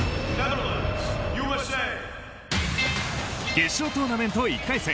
決勝トーナメント１回戦。